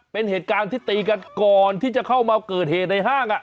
เป็นเหตุการณ์ที่ตีกันก่อนที่จะเข้ามาเกิดเหตุในห้าง